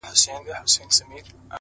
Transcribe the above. o تا راته نه ويل د کار راته خبري کوه ؛